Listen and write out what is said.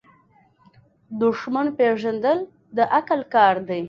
دښمن پیژندل د عقل کار دی.